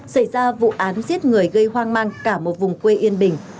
xảy ra vụ án giết người gây hoang mang cả một vùng quê yên bình